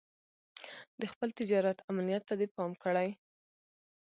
د خپل تجارت امنيت ته دې پام کړی.